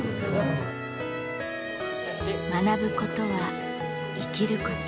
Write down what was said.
学ぶことは生きること。